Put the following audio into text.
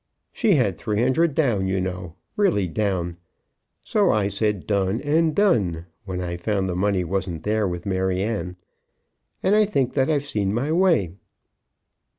"She had three hundred, down, you know; really down. So I said done and done, when I found the money wasn't there with Maryanne. And I think that I've seen my way."